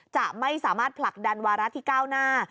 จะไม่สามารถผลักดันวาระที่ก้าวหน้า